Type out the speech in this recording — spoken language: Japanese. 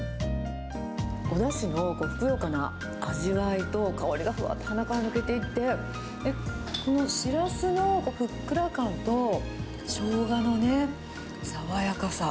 おだしのふくよかな味わいと、香りがふわーっと鼻から抜けていって、このシラスのふっくら感と、ショウガのね、爽やかさ。